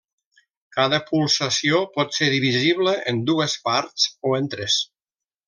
Cada pulsació pot ser divisible en dues parts o en tres.